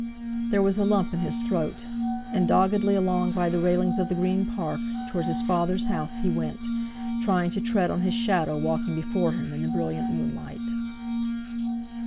There was a lump in his throat. And doggedly along by the railings of the Green Park, towards his father's house, he went, trying to tread on his shadow walking before him in the brilliant moonlight.